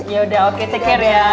yaudah oke take care ya